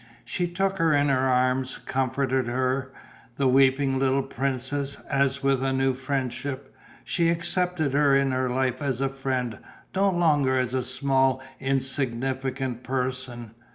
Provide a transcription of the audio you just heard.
She took her in her arms, comforted her, the weeping little princess, as with a new friendship; she accepted her in her life as a friend, no longer as a small insignificant person.